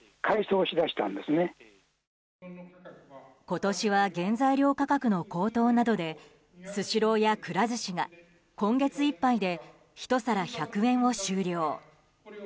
今年は原材料価格の高騰などでスシローやくら寿司が今月いっぱいでひと皿１００円を終了。